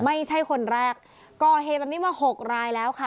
ไม่ใช่คนแรกก่อเหตุแบบนี้มาหกรายแล้วค่ะ